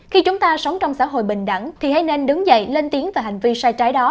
khi chúng ta sống trong xã hội bình đẳng thì hay nên đứng dậy lên tiếng về hành vi sai trái đó